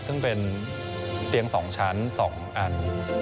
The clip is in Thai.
ซึ่งเป็นเตียง๒ชั้น๒อัน